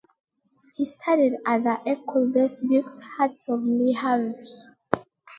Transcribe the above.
She studied at the Ecole des Beaux Arts of Le Havre.